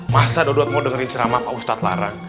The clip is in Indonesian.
masa dodot mau dengerin ceramah pak ustadz larang